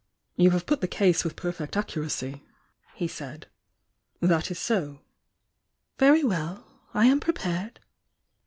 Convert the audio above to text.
„ "You have put the case with perfect accuracy, he said. "That is so." "Very well! I am prepared!"